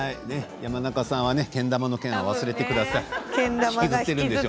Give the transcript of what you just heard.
山中さんは、けん玉の件は忘れてください。